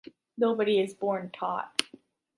Nobody is born taught.